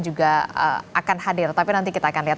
juga akan hadir tapi nanti kita akan lihat